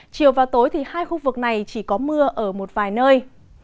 chiều và tối thì hai khu vực này chỉ có mưa ở một vài nơi